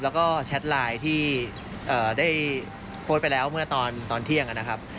แล้วก็แชทไลน์ที่ได้โพสต์ไปแล้วเมื่อตอนเที่ยงนะครับ